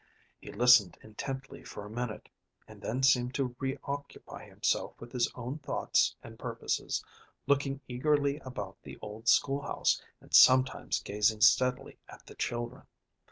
He listened intently for a minute, and then seemed to reoccupy himself with his own thoughts and purposes, looking eagerly about the old school house, and sometimes gazing steadily at the children.